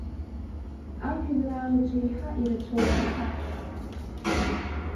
Ажәеинраалаҿы еиҳа ирацәоуп асахьа.